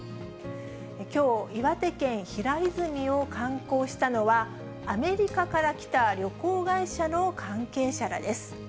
きょう、岩手県平泉を観光したのは、アメリカから来た旅行会社の関係者らです。